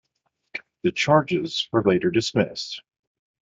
The charges were later dismissed.